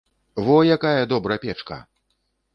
Во якая добра печка!